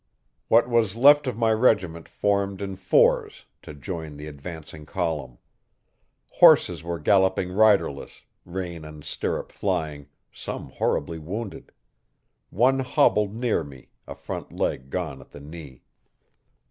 What was left of my regiment formed in fours to join the advancing column. Horses were galloping riderless, rein and stirrup flying, some horribly wounded. One hobbled near me, a front leg gone at the knee.